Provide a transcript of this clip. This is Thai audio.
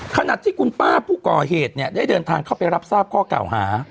ขณะที่คุณป้าผู้ก่อเหตุเนี่ยได้เดินทางเข้าไปรับทราบข้อเก่าหา